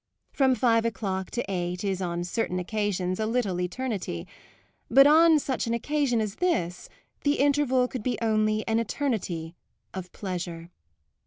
From five o'clock to eight is on certain occasions a little eternity; but on such an occasion as this the interval could be only an eternity of pleasure.